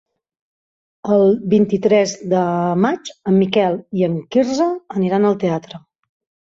El vint-i-tres de maig en Miquel i en Quirze aniran al teatre.